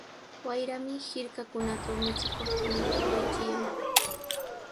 Wayrami hirkakunatraw michikuqkunata waychillan.